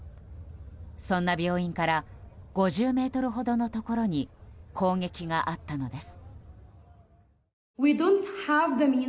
そんな病院から５０ｍほどのところに攻撃があったのです。